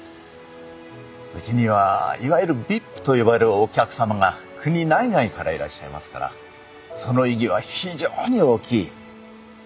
うちにはいわゆるＶＩＰと呼ばれるお客さまが国内外からいらっしゃいますからその意義は非常に大きい。